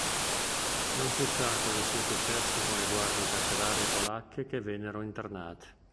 Non si sa cosa sia successo con le guardie carcerarie polacche che vennero internate.